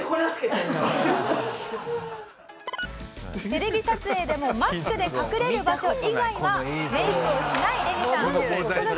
テレビ撮影でもマスクで隠れる場所以外はメイクをしないレミさん。